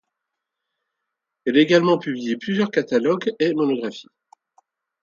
Elle a également publié plusieurs catalogues et monographies.